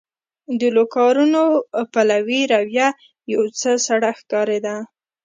د لوکارنو پلوي رویه یو څه سړه ښکارېده.